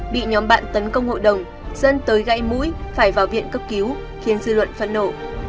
bị nhóm bạn tấn công hội đồng dân tới gãy mũi phải vào viện cấp cứu khiến dư luận phẫn nổ